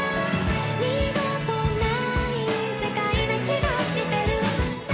「二度とない世界な気がしてる」